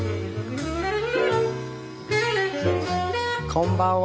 こんばんは。